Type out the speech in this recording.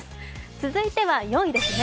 続いては４位ですね。